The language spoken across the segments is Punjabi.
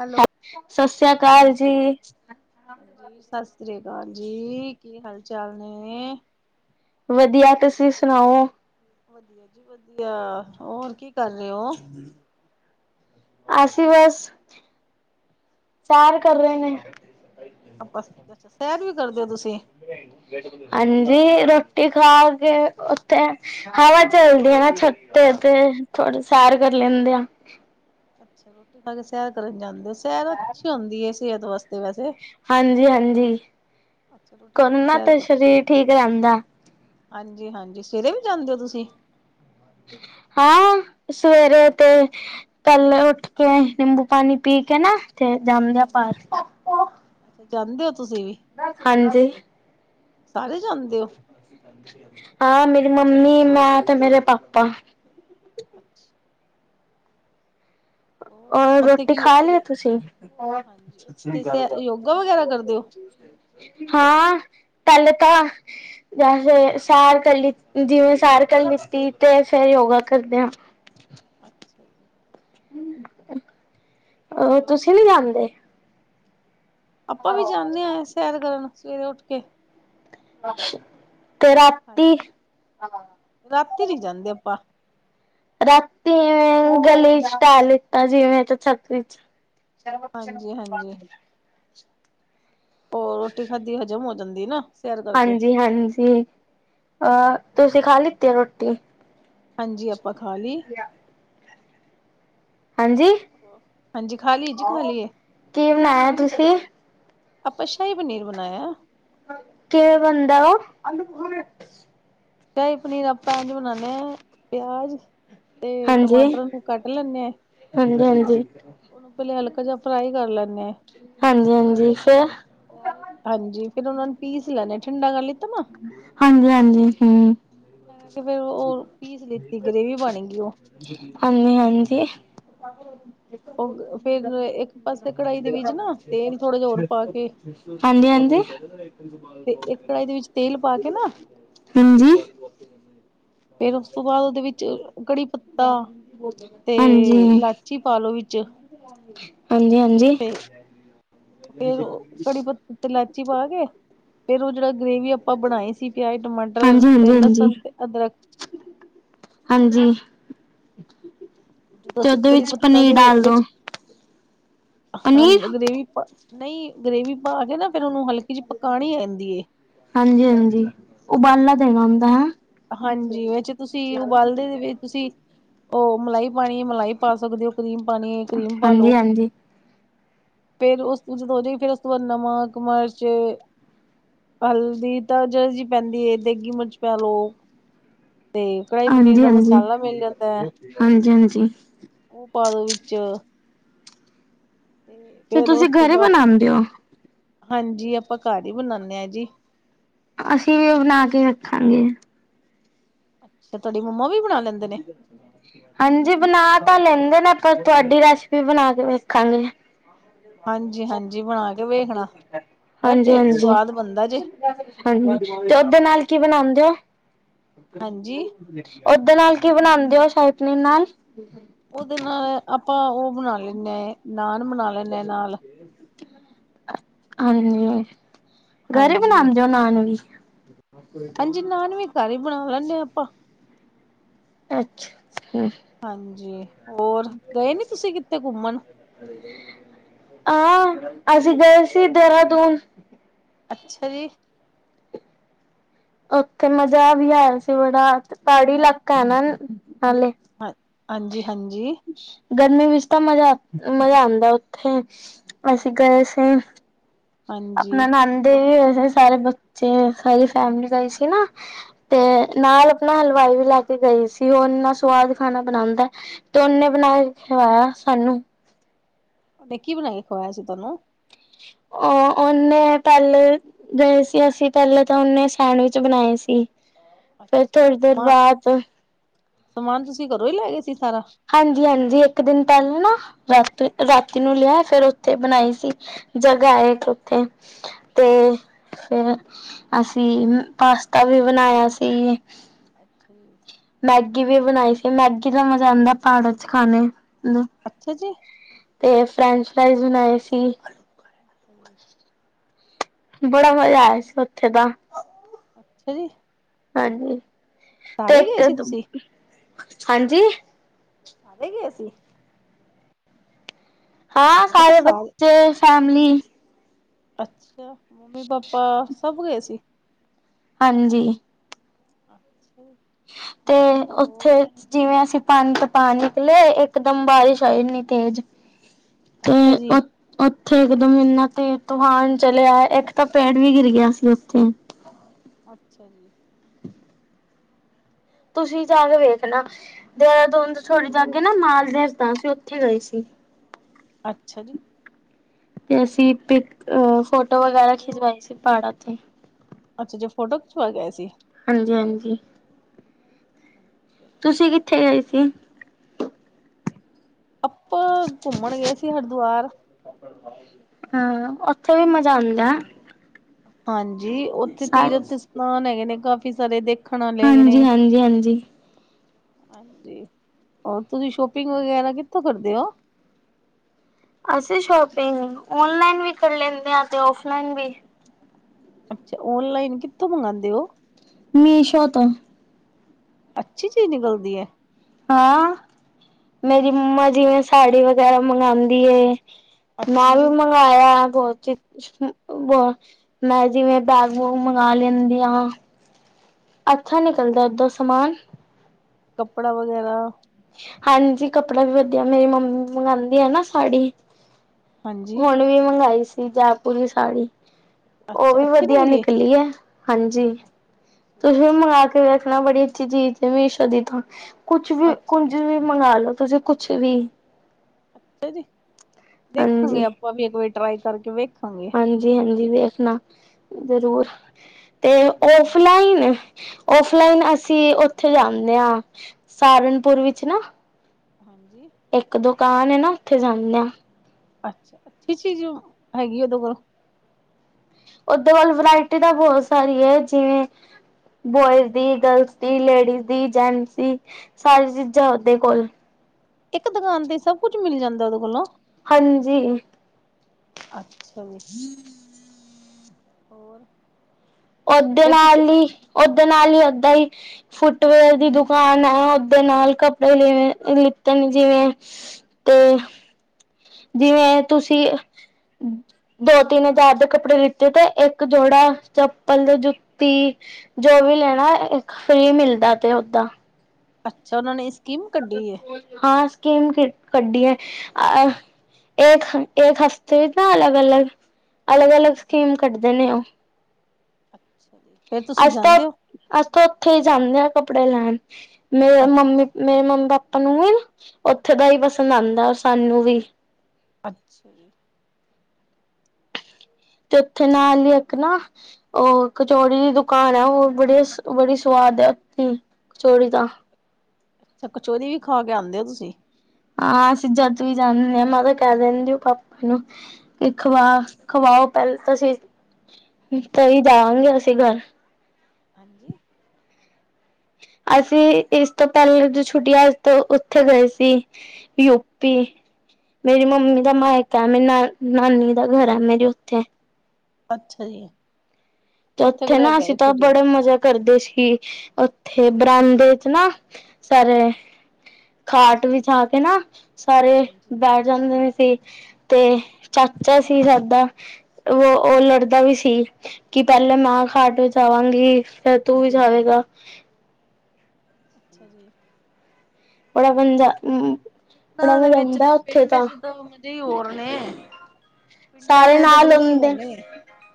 ਹੈਲੋ ਸਤ-ਸਤਿ ਸ੍ਰੀ ਅਕਾਲ ਹਾਂਜੀ ਜੀ। ਹਾਂਜੀ। ਸਤਿ ਸ੍ਰੀ ਅਕਾਲ ਜੀ ਕੀ ਹਾਲ-ਚਾਲ ਨੇ ਵਧੀਆ ਤੁਸੀਂ ਸੁਣਾਓ। ਵਧੀਆ ਜੀ, ਵਧੀਆ। ਹੋਰ ਕੀ ਕਰ ਰਹੇ ਓ। ਅਸੀਂ ਬਸ। ਸੈ਼ਰ ਕਰ ਰਹੇ ਹੈ। ਆਪਾਂ ਅੱਛਾ। ਸੈ਼ਰ ਵੀ ਕਰਦੇ ਹੋ ਤੁਸੀਂ? ਹਾਂਜੀ। ਰੋਟੀ ਖਾ ਕੇ ਉੱਥੇ ਹਵਾ ਚਲਦੀ ਹੈ ਨਾ ਛੱਤ ਤੇ, ਥੋੜੇ ਸੈਰ ਕਰ ਲੈਂਦੇ ਆ। ਅੱਛਾ ਰੋਟੀ ਖਾ ਕੇ ਸੈਰ ਕਰਨ ਜਾਂਦੇ ਓ। ਸ਼ੈਰ ਅੱਛੀ ਹੁੰਦੀ ਹੈ ਸਿਹਤ ਵਾਸਤੇ। ਵੈਸੇ ਹਾਂਜੀ ਹਾਂਜੀ। ਅੱਛਾ ਰੋਟੀ ਖਾ ਕੇ ਕਰਨਾ ਸੈਰ ਤੇ ਕਰਦੇ ਸਰੀਰ ਠੀਕ ਰਹਿੰਦਾ। ਹਾਂਜੀ ਹਾਂਜੀ, ਸਵੇਰੇ ਵੀ ਜਾਂਦੇ ਹੋ ਤੁਸੀਂ? ਹਾਂ ਸਵੇਰੇ ਤੇ ਪੈਲੇ ਉੱਠ ਕੇ, ਨਿੰਬੂ ਪਾਣੀ ਪੀ ਕੇ ਨਾ, ਫੇਰ ਜਾਂਦੇ ਆ ਬਾਰ। ਜਾਂਦੇ ਹੋ ਤੁਸੀਂ ਵੀ? ਹਾਂਜੀ ਸਾਰੇ ਜਾਂਦੇ ਹੋ? ਹਾਂ, ਮੇਰੀ ਮੰਮੀ, ਮੈਂ, ਤੇ ਮੇਰੇ ਪਾਪਾ। ਅੱਛਾ ਅ ਉਹ ਹੋਰ ਉੱਥੇ ਰੋਟੀ ਕੀ ਖਾ ਲੀ ਤੁਸੀਂ? ਹਾਂਜੀ ਉੱਥੇ ਸ ਯੋਗਾ ਵਗੈਰਾ ਕਰਦੇ ਹੋ ਹਾਂ ਪੈਲੇ ਤਾਂ ਜਾਂ ਫੇਰ ਸੈਰ ਕਰ ਲਿ, ਜਿਵੇਂ ਸੈਰ ਕਰ ਲਿੱਤੀ ਤੇ ਫੇਰ ਯੋਗਾ ਕਰਦੇ ਹਾਂ। ਅੱਛਾ ਜੀ ਹੋਰ ਉਹ----ਤੁਸੀਂ ਨੀ ਜਾਂਦੇ? ਆਪਾਂ ਵੀ ਜਾਂਦੇ ਆਂ ਸੈਰ ਕਰਨ, ਸਵੇਰੇ ਉੱਠ ਕੇ। ਤੇ ਰਾਤੀ? ਹਾਂਜੀ ਰਾਤੀ ਨੀ ਜਾਂਦੇ ਆਪਾਂ। ਰਾਤੀ ਏਵੇਂ ਗਲੀ ਚ ਟਹਲ ਲਿੱਤਾ, ਜਿਵੇਂ ਪਰਛੱਤੀ ਚ ਚਲੋ ਹਾਂਜੀ ਹਾਂਜੀ ਚਲੋ---ਬਾਦ ਚ ਉਹ ਰੋਟੀ ਖਾਦੀ ਹਜ਼ਮ ਹੋ ਜਾਂਦੀ ਨਾ! ਸੈਰ ਕਰਕੇ ਹਾਂਜੀ ਹਾਂਜੀ ਅਹ, ਤੁਸੀਂ ਖਾ ਲਿੱਤੀ ਆ ਰੋਟੀ? ਹਾਂਜੀ, ਆਪਾਂ ਖਾ ਲਈ ਕਿਆ ਹਾਂਜੀ? ਹਾਂਜੀ, ਖਾਲੀ ਜੀ ਖਾਲੀ ਐ ਕੀ ਬਣਾਇਆ ਤੁਸੀਂ ਆਪਾਂ ਸ਼ਾਹੀ ਪਨੀਰ ਬਣਾਇਆ। ਕਿਵੇਂ ਬਣਦਾ ਉਹ? ਸ਼ਾਹੀ ਪਨੀਰ ਆਪਾਂ ਇੰਝ ਬਣਾਉਨੇ ਆ, ਪਿਆਜ ਤੇ ਹਾਂਜੀ ਟਮਾਟਰ ਨੁੰ ਕੱਟ ਲੈਂਨੇ ਆ ਹਾਂਜੀ ਹਾਂਜੀ ਉਹਨੂੰ ਪਹਿਲੇ ਹਲਕਾ ਜਿਹਾ ਫਰਾਈ ਕਰ ਲੈਂਨੇ ਆ ਹਾਂਜੀ ਹਾਂਜੀ ਫੇਰ? ਹਾਂਜੀ, ਫਿਰ ਉਹਨਾ ਨੂੰ ਪੀਸ ਲੈਣੇ ਆ, ਠੰਡਾ ਕਰ ਲਿਤਾ ਨਾ ਹਾਂਜੀ ਹਾਂਜੀ, ਹਮ ਹਮਮ, ਫਿਰ ਉਹ ਪੀਸ ਲਿੱਤੀ, ਗ੍ਰੇਵੀ ਬਣ ਗਈ ਉਹ ਹਾਂਜੀ ਹਾਂਜੀ ਉਗ ਗ ਫਿਰ ਇੱਕ ਪਾਸੇ ਕੜਾਹੀ ਦੇ ਵਿੱਚ ਨਾ, ਤੇਲ ਥੋੜ੍ਹਾ ਜਿਹਾ ਹੋਰ ਹਾਂਜੀ-ਹਾਂਜੀ। ਪਾ ਕੇ ਹਾਂਜੀ ਹਾਂਜੀ, ਤੇ ਇੱਕ ਕੜਾਹੀ ਦੇ ਵਿੱਚ ਤੇਲ ਪਾ ਕੇ ਨਾ ਹਮ ਹਮ ਫੇਰ ਉਸ ਤੋਂ ਬਾਅਦ, ਉਹਦੇ ਵਿੱਚ ਕੜੀ ਪੱਤਾ ਹਾਂਜੀ-ਹਾਂਜੀ। ਹਾਂਜੀ-ਹਾਂਜੀ-ਹਾਂਜੀ। ਤੇ-----ਲਾਚੀ ਪਾਲੋ ਵਿੱਚ ਹਾਂਜੀ ਹਾਂਜੀ ਫਿਰ ਲਾਚੀ ਪਾ ਕੇ, ਫੇਰ ਉਹ ਜਿਹੜਾ ਗ੍ਰੇਵੀ ਅਪ ਆਪਾਂ ਬਣਾਈ ਸੀ ਪਿਆਜ, ਟਮਾਟਰ, ਤੇ ਹਾਂਜੀ ਹਾਂਜੀ ਲਸਣ, ਤੇ ਅਦਰਕ ਹਾਂਜੀ ਜਦੋਂ ਤੇ ਅਸੀਂ ਉਹਦੇ ਕੜੀ ਵਿੱਚ ਪੱਤਾ ਪਨੀਰ ਡਾਲ ਦੋ ਹਾਂ ਪਨੀਰ ਗਰੇਵੀ ਪਾ, ਨਹੀਂ ਗਰੇਵੀ ਪਾ ਕੇ ਨਾ ਫ਼ਿਰ ਉਹਨੂੰ ਹਲਕੀ ਜੀ ਪਕਾਉਣੀ ਰਹਿੰਦੀ ਐ ਹਾਂਜੀ ਹਾਂਜੀ, ਉਬਾਲਾ ਦੇਣਾ ਹੋਂਦਾ ਹੈ? ਹਾਂਜੀ ਵਿੱਚ ਤੁਸੀਂ ਉਬਾਲਦੇ ਦੇ ਵਿੱਚ ਤੁਸੀਂ ਉਹ ਮਲਾਈ ਪਾਣੀ ਏ, ਮਲਾਈ ਪਾ ਸਕਦੇ ਹੋ, ਕਰੀਮ ਪਾਣੀ ਏ ਕਰੀਮ ਪਾਲੋ ਹਾਂਜੀ-ਹਾਂਜੀ। ਫੇਰ ਉਸ ਤੋਂ, ਜਦੋਂ ਹੋ ਜਾਏਗੀ, ਫੇਰ ਉਸ ਤੋਂ ਬਾਅਦ ਨਮਕ, ਮਰਚ ਹਲਦੀ ਤਾਂ ਜਰਾ ਜੀ ਪੈਂਦੀ ਹੈ, ਦੇਗੀ ਮਿਰਚ ਪਾ ਲਓ। ਤੇ ਕੜਾਹੀ ਪਨੀਰ ਦਾ ਹਾਂਜੀ-ਹਾਂਜੀ। ਮਸਾਲਾ ਮਿਲ ਜਾਂਦਾ ਐ। ਹਾਂਜੀ-ਹਾਂਜੀ, ਉਹ ਪਾਦੋ ਵਿੱਚ। ਤੇ ਫੇਰ ਤੁਸੀਂ ਉਸ ਤੋਂ ਘਰੇ ਬਾਅਦ ਬਣਾਉਦੇ ਹੋ? ਹਾਂਜੀ, ਆਪਾਂ ਘਰ ਹੀ ਬਣਾਨੇ ਆ ਜੀ। ਅਸੀਂ ਵੀ ਉਹ ਬਣਾ ਕੇ ਰੱਖਾਂਗੇ। ਅੱਛਾ, ਤੁਹਾਡੀ ਮੰਮਾ ਵੀ ਬਣਾ ਲੈਂਦੇ ਨੇ? ਹਾਂਜੀ, ਬਣਾ ਤਾਂ ਲੈਂਦੇ ਨੇ, ਆਪਾਂ ਤੁਹਾਡੀ ਰੈਸਪੀ ਬਣਾ ਕੇ ਵੇਖਾਂਗੇ। ਹਾਂਜੀ ਹਾਂਜੀ ਬਣਾ ਕੇ ਵੇਖਣਾ ਹਾਂਜੀ ਬੜਾ ਹਾਂਜੀ। ਸਵਾਦ ਬਣਦਾ ਜੇ ਹਾਂਜੀ, ਤੇ ਓਦੇ ਨਾਲ ਕੀ ਹਾਂ ਬਣਾਨਦੇ ਓ ਹਾਂਜੀ ਓਹਦੇ ਨਾਲ ਕੀ ਬਣਾਉਂਦੇ ਹੋ, ਸ਼ਾਹੀ ਪਨੀਰ ਨਾਲ? ਓਦੇ ਨਾ ਆਪਾਂ ਓ ਬਣਾ ਲੇਨੇ, ਨਾਨ ਬਣਾ ਲੇਨੇ ਐ ਨਾਲ। ਹਾਂਜੀ, ਗਰੇ ਹਾਂਜੀ ਬਣਾਂਦੇ ਓ ਨਾਨ ਵੀ? ਹਾਂਜੀ, ਨਾਨ ਵੀ ਘਰ ਈ ਬਣਾ ਲੇਨੇ ਆ ਆਪਾਂ। ਅੱਛ ਅੱਛਾ। ਹਾਂਜੀ, ਹੋਰ। ਗਏ ਨੀ ਤੁਸੀ ਕਿੱਤੇ ਘੁੰਮਣ? ਆ, ਅਸੀ ਗਏ ਸੀ ਦੇਰਾਦੂਨ। ਅੱਛਾ ਜੀ। ਓਥੇ ਮਜਾ ਵੀ ਆਏਆ ਸੀ ਬੜਾ, ਪਾੜੀ ਲਾਕਾ ਐ ਨਾ ਨਾਲੇ। ਅ ਹਾਂਜੀ ਹਾਂਜੀ। ਗਰਮੀ ਵਿੱਚ ਤਾਂ ਮਜਾ ਮਜਾ ਆਂਦਾ ਓਥੇ, ਅਸੀ ਗਏ ਹਾਂਜੀ ਸੀ। ਹਾਂਜੀ ਅਪਣਾ ਨਾਂਦੇ ਵੀ ਏ ਸਾਰੇ ਬੱਚੇ, ਸਾਰੀ ਫੈਮਿਲੀ ਗਈ ਸੀ ਨਾ। ਤੇ ਹਾਂਜੀ ਨਾਲ ਅਪਣਾ ਹਲਵਾਈ ਵੀ ਲੈ ਕੇ ਗਈ ਸੀ। ਓ ਏਨਾ ਸਵਾਦ ਖਾਣਾ ਬਨਾਂਦਾ ਐ। ਤੇ ਓਨੇ ਬਨਾਏ ਖਵਾਏਆ ਸਾਨੂੰ। ਤੇ ਕੀ ਬਣਾ ਕੇ ਖੁਵਾਆ ਸੀ ਤਾਨੂੰ? ਓ ਓਨੇ ਪੈਲੇ ਗਏ ਸੀ ਅਸੀ, ਪੈਲੇ ਤਾਂ ਉਨੇ ਸੈਂਡਵਿਚ ਬਣਾਏ ਸੀ। ਫਿਰ ਅੱਛਾ ਜੀ, ਥੋੜ੍ਹੀ ਦੇਰ ਸਮਾ ਬਾਅਦ ਸਮਾਨ ਤੁਸੀ ਘਰੋ ਈ ਲੈਗੇ ਸੀ ਸਾਰਾ? ਹਾਂਜੀ ਹਾਂਜੀ, ਏਕ ਦਿਨ ਪੈਲਾਂ ਨਾ ਰਾਤ ਰਾਤੀ ਨੂੰ ਲੇਆ ਫੇਰ ਓਥੇ ਬਣਾਈ ਸੀ। ਜਗਾ ਏ ਏਕ ਓਥੇ। ਅੱਛ ਫੇਰ, ਅਸੀ ਪਾਸਤਾ ਵੀ ਬਨਾਏਆ ਸੀ। ਅੱਛਾ ਜੀ। ਮੈਗੀ ਵੀ ਬਨਾਈ ਸੀ। ਮੈਗੀ ਦਾ ਮਜਾ ਆਂਦਾ ਪਾੜਾਂ ਚ ਖਾਨੇ ਨੂੰ। ਅੱਛਾ ਜੀ। ਤੇ ਫਰੈਂਚ ਫਰਾਈਜ਼ ਬਣਾਏ ਸੀ। ਹ ਬੜਾ ਮਜ਼ਾ ਆਏਆ ਸੀ ਓਥੇ ਤਾਂ। ਅੱਛਾ ਜੀ। ਹਾਂਜੀ। ਤੇ ਸਾਰੇ ਏਕ, ਗਏ ਸੀ ਤੁਸੀਂ ਹਾਂਜੀ। ਸਾਰੇ ਗਏ ਸੀ? ਹਾਂ ਮੈਂ ਕਿਹਾ ਸਾਰੇ ਬੱਚੇ ਫੈਮਲੀ‌। ਅੱਛਾ, ਮੰਮੀ ਪਾਪਾ ਸਭ ਗਏ ਸੀ? ਹਾਂਜੀ। ਅੱਛ ਤੇ ਓਥੇ ਜਿਵੇਂ ਅਸੀ ਪਾਨੀ ਚ ਪਾ ਨਿਕਲੇ, ਇੱਕ ਦਮ ਬਾਰਿਸ਼ ਆਈ ਏਨੀ ਤੇਜ। ਅੱਛਾ ਜੀ। ਓਥੇ ਇਕਦਮ ਏਨਾ ਤੇਜ ਤੂਫਾਨ ਚਲੇਆ, ਏਕ ਤਾਂ ਪੇੜ ਵੀ ਗਿਰ ਗਆ ਸੀ ਓਥੇ। ਅੱਛਾ ਜੀ। ਤੁਸੀ ਜਾ ਕੇ ਵੇਖਨਾ। ਦੇਰਾਦੂਨ ਤੋ ਥੋੜੀ ਜਾ ਅਗੇ ਨਾ ਮਾਲ ਰਸਤਾ ਸੀ। ਅਸੀ ਓਥੇ ਗਏ ਸੀ। ਅੱਛਾ ਜੀ। ਤੇ ਅਸੀ ਪਿਕ, ਫੋਟੋ ਵਗੈਰਾ ਹੋਰ ਖਿਚਵਾਈ ਸੀ ਪਾੜਾਂ ਤੇ। ਅੱਛਾ, ਜੋ ਫੋਟੋ ਖਿਚਵਾ ਕੇ ਆਏ ਸੀ। ਹਾਂਜੀ ਹਾਂਜੀ। ਅੱਛਾ। ਤੁਸੀਂ ਕਿੱਥੇ ਗਏ ਸੀ? ਆਪ ਘੁੰਮਣ ਗਏ ਸੀ ਹਰਿਦੁਆਰ। ਹੂੰ, ਉੱਥੇ ਵੀ ਮਜ਼ਾ ਆਂਦਾ। ਹਾਂਜੀ ਉੱਥੇ ਤੀਰਥ ਇਸ਼ਨਾਨ ਹੈਗੇ ਨੇ ਕਾਫੀ ਸਾਰੇ ਦੇਖ ਦੇਖਣ ਆਲੇ ਹੈਗੇ ਨੇ। ਹਾਂਜੀ-ਹਾਂਜੀ-ਹਾਂਜੀ। ਹਾਂਜੀ, ਹੋਰ ਤੁਸੀਂ ਸ਼ੋਪਿੰਗ ਵਗੈਰਾ ਕਿੱਥੋਂ ਕਰਦੇ ਹੋ? ਅਸੀਂ ਸ਼ੋਪਿੰਗ ਔਨਲਾਈਨ ਵੀ ਕਰ ਲੈਂਦੇ ਹਾਂ, ਤੇ ਔਫਲਾਈਨ ਵੀ। ਅੱਛਾ, ਔਨਲਾਈਨ ਕਿੱਥੋਂ ਮੰਗਵਾਉਂਦੇ ਓ? ਮੀਸ਼ੋ ਤੋਂ। ਅੱਛੀ ਚੀਜ਼ ਨਿਕਲਦੀ ਆ? ਹਾਂ, ਮੇਰੀ ਮੰਮਾ ਜਿਵੇਂ ਸਾੜੀ ਵਗੈਰਾ ਮੰਗਾਦੀ ਏ। ਮੈਂ ਅੱਛਾ ਵੀ ਜੀ ਮੰਗਵਾਇਆ ਬਹੁਤ ਹੀ ਕੁਛ ਬਹੁ ਮੈਂ ਜਿਵੇਂ ਬੈਗ ਬੂਗ ਮੰਗਾ ਲੈਂਦੀ ਆ। ਅੱਛਾ ਨਿਕਲਦਾ ਏਦਾਂ ਸਮਾਨ। ਕੱਪੜਾ ਵਗੈਰਾ। ਹਾਂਜੀ ਕੱਪੜਾ ਵੀ ਵਧੀਆ, ਮੇਰੀ ਮੰਮੀ ਮੰਗਾਂਦੇ ਆ ਨਾ ਸਾੜੀ। ਹਾਂਜੀ ਹੁਣ ਵੀ ਮੰਗਾਈ ਸੀ, ਜੈਪੁਰੀ ਸਾੜੀ ਉਹ ਅੱਛਾ ਵੀ ਅੱਛੀ ਵਧੀਆ ਨਿਕਲੀ ਆ। ਹਾਂਜੀ, ਤੁਸੀਂ ਵੀ ਮੰਵਾ ਕੇ ਰੱਖਣਾ ਬੜੀ ਅੱਛੀ ਚੀਜ਼ ਮੀਸੋ ਦੀ ਤਾਂ। ਕੁਛ ਵੀ ਅੱਛਾ ਕੁਝ ਵੀ ਮੰਗਾਲੋ ਤੁਸੀਂ ਕੁਛ ਵੀ। ਅੱਛਾ ਜੀ, ਵੇਖਾਂਗੇ, ਹਾਂਜੀ ਆਪਾਂ ਵੀ ਇੱਕ ਵਾਰੀ ਟਰਾਈ ਕਰਕੇ ਵੇਖ ਹਾਂਜੀ-ਹਾਂਜੀ, ਵੇਖਣਾ ਜ਼ਰੂਰ ਤੇ ਹਾਂਜੀ ਔਫਲਾਈਨ, ਔਫਲਾਈਨ ਅਸੀਂ ਉੱਥੇ ਜਾਂਦੇ ਹਾ ਸਹਾਰਨਪੁਰ ਵਿੱਚ ਨਾ। ਹਾਂਜੀ। ਇੱਕ ਦੁਕਾਨ ਐ ਨਾ ਉੱਥੇ ਜਾਂਦੇ ਆ। ਅੱਛਾ, ਅੱਛੀ ਚੀਜ਼ ਹੈਗੀ ਉਹਦੇ ਕੋਲ, ਓਦੇ ਵੱਲ ਵਰਾਇਟੀ ਤਾਂ ਬਹੁਤ ਸਾਰੀ ਹੈ ਜਿਵੇਂ ਬੋਇਜ਼ ਦੀ, ਗਰਲਜ਼ ਦੀ, ਲੇਡੀਜ਼ ਦੀ, ਜੈਂਟਸ ਦੀ, ਸਾਰੀ ਚੀਜ਼ਾਂ ਉਹਦੇ ਅੱਛਾ। ਕੋਲ। ਇੱਕ ਦੁਕਾਨ ਤੇ ਸਭ ਕੁਛ ਮਿਲ ਜਾਂਦਾ ਉਹਦੇ ਕੋਲੋ? ਹਾਂਜੀ। ਅੱਛਾ ਜੀ। ਹਮ [inaudible] ਹੋਰ, ਓਦੇ ਫੇਰ ਤੁਸੀਂ ਨਾਲ ਹੀ ਓਦੇ ਨਾਲ ਹੀ ਓਦਾਂ ਹੀ। ਫੁੱਟਵੇਅਰ ਦੀ ਦੁਕਾਨ ਹੈ, ਓਦੇ ਨਾਲ ਕੱਪੜੇ ਲਵੇ ਲਿੱਤੇ ਨੇ ਜਿਵੇਂ। ਤੇ, ਜਿਵੇਂ ਤੁਸੀਂ ਦੋ ਤਿੰਨ ਹਜ਼ਾਰ ਦੇ ਕੱਪੜੇ ਲਿੱਤੇ ਤੇ ਇੱਕ ਜੋੜਾ ਚੱਪਲ ਜਾ ਜੁੱਤੀ, ਜੋ ਵੀ ਲੈਣਾ ਇੱਕ ਫ੍ਰਰੀ ਮਿਲਦਾ ਤੇ ਓਦਾਂ। ਅੱਛਾ ਉਹਨਾਂ ਨੇ ਸਕੀਮ ਕੱਢੀ ਏ, ਹਾਂ ਸਕੀਮ ਕੱਢੀ ਹੈ ਐ, ਏਕ ਹਫ਼ਤੇ, ਏਕ ਹਫ਼ਤੇ ਤਾਂ ਅਲੱਗ, ਅਲੱਗ, ਅਲੱਗ, ਅਲੱਗ ਸਕੀਮ ਕੱਢਦੇ ਨੇ ਉਹ। ਅੱਛਾ ਫੇਰ ਤੁਸੀਂ ਜਾਂਦੇ ਹੋ? ਅਸੀ ਤਾਂ ਉੱਥੇ ਹੀ ਜਾਂਦੇ ਹਾਂ, ਕੱਪੜੇ ਲੈਣ ਮੇਰੇ ਅ ਮੰਮੀ ਮੇਰੇ ਮੰਮੀ- ਪਾਪਾ ਆਪਾਂ ਨੂੰ ਵੀ ਉੱਥੇ ਦਾ ਹੀ ਪਸੰਦ ਆਂਦਾ ਸਾਨੂੰ ਵੀ। ਅੱਛਾ ਤੇ ਉੱਥੇ ਨਾਲ ਹੀ ਇੱਕ ਨਾ ਉਹ ਕਚੋੜੀ ਦੀ ਦੁਕਾਨ ਆ ਉਹ ਬੜੇ-ਬੜੀ ਸਵਾਦ ਆ ਉਥ ਕਚੋੜੀ ਦਾ। ਤੇ ਕਚੋਰੀ ਵੀ ਖਾ ਕੇ ਆਉਂਦੇ ਹੋ ਤੁਸੀਂ। ਹਾਂ, ਅਸੀਂ ਜਦ ਵੀ ਜਾਂਦੇ ਹ ਮੈਂ ਤਾਂ ਕਹਿ ਦਿੰਦੀ ਉਹ ਪਾਪਾ ਨੂੰ। ਕਿ ਖਵਾ ਖਵਾਓ ਪਹਿਲ ਤੁਸੀਂ ਤਾਂਣੀ ਜਾਵਾਂਗੇ ਅਸੀਂ ਘਰ। ਹਾਂਜੀ। ਅਸੀਂ ਇਸ ਤੋਂ ਪਹਿਲੇ ਦੀ ਛੁੱਟੀਆਂ ਤੋਂ ਉੱਥੇ ਗਏ ਸੀ ਯੂ ਪੀ। ਮੇਰੀ ਅੱਛਾ ਮੰਮੀ ਦਾ ਜੀ। ਮਾਇਕ ਹੈ। ਮੇ ਨ ਨਾਨੀ ਦਾ ਘਰ ਆ ਮੇਰੀ ਉੱਥੇ। ਅੱਛਾ ਜੀ। ਤੇ ਕੁ ਉੱਥੇ ਰਹਿ ਨਾ ਕੇ ਅਸੀਂ ਆਏ ਤਾਂ ਛੁੱਟੀਆਂ ਬੜੇ ਚ। ਮਜ਼ੇ ਕਰਦੇ ਸੀ। ਉੱਥੇ ਬਰਾਂਦੇੇ ਚ ਨਾ ਸਾਰੇ ਖਾਟ ਅੱਛਾ ਜੀ ਵਿਛਾ ਕੇ ਨਾ ਸਾਰੇ ਹਾਂਜੀ ਬੈਠ ਜਾਂਦੇ ਸੀ, ਤੇ ਚਾਚਾ ਸੀ ਸਾਡਾ। ਵੋ ਔ ਲੜਦਾ ਵੀ ਸੀ ਕਿ ਪਹਿਲਾਂ ਮੈਂ ਖਾਟ ਵਿੱਚ ਜਾਵਾਂਗੀ ਫੇ ਤੂੰ ਵਿਛਾਵੇਗਾ। ਅੱਛਾ ਜੀ। ਬੜਾ [unintelligible] ਆ ਬੜਾ ਪਿੰਡਾਂ ਦੇ ਮਜ਼ਾ ਵਿੱਚ ਆਉਂਦਾ ਉੱਥੇ ਪਿੰਡ ਚ ਤਾਂ ਮਜੇ ਹੋਰ ਨੇ। ਪਿੰਡਾਂ ਸਾਰੇ ਆਲੇ ਤਾਂ ਨਾਲ ਗੱਲਾਂ ਹੀ ਹੋਰ ਹੁੰਦੇ ਨੇ।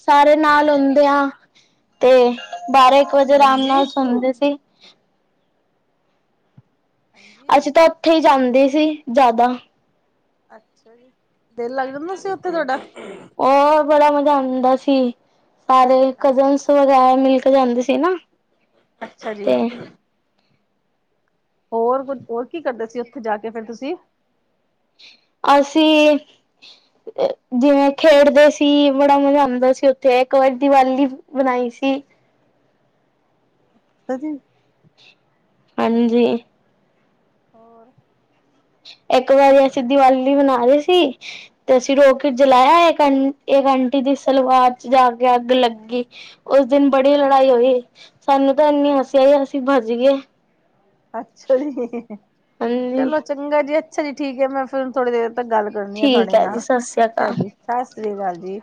ਸਾਰੇ ਨਾਲ ਆਉਦੇ ਆ। ਤੇ ਬਾਰਾਂ ਇੱਕ ਵਜੇ ਅਰਾਮ ਨਾਲ ਹਾਂਜੀ। ਸੁਣਦੇ ਸੀ। ਹਾਂਜੀ ਅੱਸੀਂ ਤਾਂ ਉੱਥੇ ਹੀ ਜਾਂਦੇ ਸੀ ਜ਼ਿਆਦਾ। ਅੱਛਾ ਜੀ, ਦਿਲ ਲੱਗ ਜਾਂਦਾ ਸੀ ਉੱਥੇ ਤੁਹਾਡਾ? ਔ ਬੜਾ ਮਜ਼ਾ ਆਉਂਦਾ ਸੀ। ਸਾਰੇ ਕਜ਼ਨਸ ਵਗੈਰਾ ਮਿਲ ਕੇ ਜਾਂਦੇ ਸੀ ਨਾ। ਅੱਛਾ ਜੀ। ਤੇ ਹੋਰ ਕੁਝ ਹੋਰ ਕੀ ਕਰਦੇ ਸੀ ਉੱਥੇ ਜਾ ਕੇ ਫਿਰ ਤੁਸੀਂ? ਅਸੀਂ ਜਿਵੇਂ ਖੇਡਦੇ ਸੀ ਬੜਾ ਮਜ਼ਾ ਆਉਂਦਾ ਸੀ ਉੱਥੇ, ਇੱਕ ਵਾਰੀ ਦੀਵਾਲੀ ਬਣਾਈ ਸੀ। [unintelligible] ਹਾਂਜੀ। ਹੋਰ ਇੱਕ ਵਾਰੀ ਅਸੀਂ ਦੀਵਾਲੀ ਮਨਾ ਰਹੇ ਸੀ। ਤੇ ਅਸੀਂ ਰੋਕਟ ਜਲਾਇਆ ਇਹੰ ਅੰਟ ਅੰਟੀ ਦੀ ਸਲਵਾਰ ਚ ਜਾ ਕੇ ਅੱਗ ਲੱਗੀ। ਉਸ ਦਿਨ ਬੜੀ ਲੜਾਈ ਹੋਈ। ਸਾਨੂੰ ਤਾ ਇੰਨੀ ਹਸੀ ਆਈ ਅਸੀਂ ਭਜ ਗੇ। ਅੱਛਾ ਜੀ, ਹਾਂਜੀ। ਚਲੋ ਚੰਗਾ ਜੀ। ਅੱਛਾ ਜੀ, ਠੀਕ ਹੈ ਮੈਂ ਫਿਰ ਥੋੜੀ ਦੇਰ ਤੱਕ ਗੱਲ ਕਰਨੀ ਆ ਠੀਕ ਤੁਹਾਡੇ ਹੈ ਨਾਲ। ਜੀ ਸਤਿ ਸ੍ਰੀ ਅੱਛਾ ਅਕਾਲ। ਜੀ, ਸਤਿ ਸ੍ਰੀ ਅਕਾਲ ਜੀ।